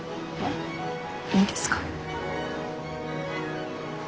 いいんですか？